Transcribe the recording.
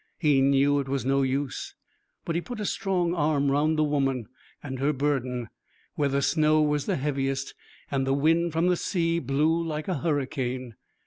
He knew it was no use. But he put a strong arm round the woman and her burden, where the snow was heaviest, and the wind from the sea blew like a hurricane.